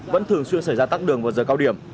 vẫn thường xuyên xảy ra tắc đường vào giờ cao điểm